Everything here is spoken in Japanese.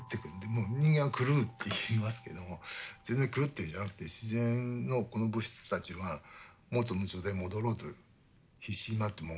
もう人間は狂うっていいますけども全然狂ってるんじゃなくて自然のこの物質たちは元の状態に戻ろうと必死になってもがいてるわけですよね。